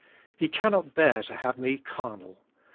He cannot bea.r to have me carnal.